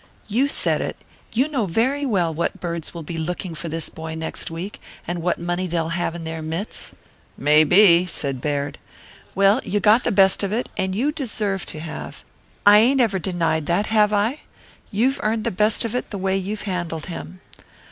"You said it. You know very well what birds will be looking for this boy next week, and what money they'll have in their mitts. "Maybe," said Baird. "Well, you got the best of it, and you deserve to have. I ain't ever denied that, have I? You've earned the best of it the way you've handled him.